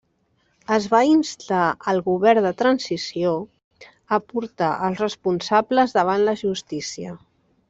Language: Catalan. Es va instar el govern de transició a portar els responsables davant la justícia.